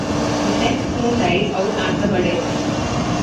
The sect soon died out after her death.